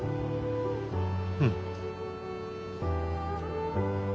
うん。